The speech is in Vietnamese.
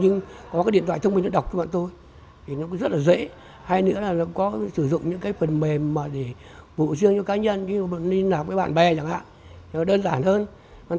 nếu có sử dụng những phần mềm để vụ riêng cho cá nhân như làm với bạn bè chẳng hạn nó đơn giản hơn